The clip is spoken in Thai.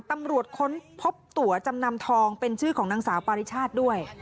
ค้นพบตัวจำนำทองเป็นชื่อของนางสาวปาริชาติด้วย